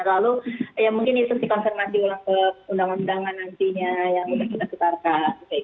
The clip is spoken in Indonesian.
lalu mungkin istri konsernasi ulang ke undang undangan nantinya yang sudah kita cetarkan